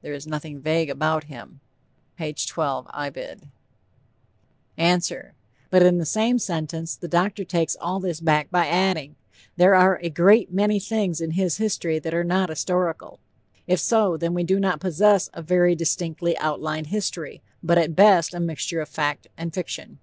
There is nothing vague about him." (P. 12, Ibid.) ANSWER: But in the same sentence the doctor takes all this back by adding: "There are a great many things in his history that are not historical." If so, then we do not possess "a very distinctly outlined history," but at best a mixture of fact and fiction.